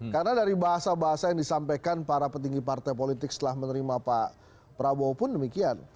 karena dari bahasa bahasa yang disampaikan para petinggi partai politik setelah menerima pak prabowo pun demikian